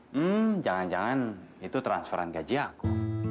hmm jangan jangan itu transferan gaji aku